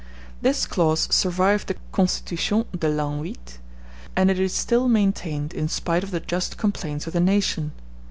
This clause survived the "Constitution de l'An VIII," and it is still maintained in spite of the just complaints of the nation.